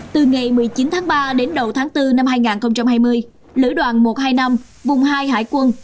từ ngày một mươi chín tháng ba đến đầu tháng bốn năm hai nghìn hai mươi lữ đoàn một trăm hai mươi năm vùng hai hải quân